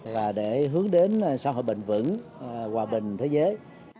và để hướng đến xã hội bình vững hòa bình thế giới